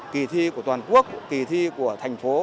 kỳ thi của toàn quốc kỳ thi của thành phố